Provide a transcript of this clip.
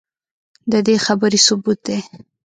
ددې خبرې ثبوت دے